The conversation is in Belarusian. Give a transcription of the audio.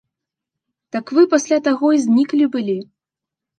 Так вы пасля таго і зніклі былі.